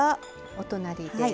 お隣です。